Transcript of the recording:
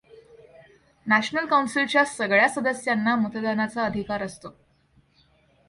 National काउन्सिलच्या सगळ्या सदस्यांना मतदानाचा अधिकार असतो.